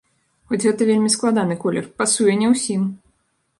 Хоць гэта вельмі складаны колер, пасуе не ўсім!